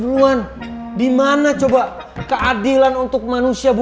lo mau minum gak sih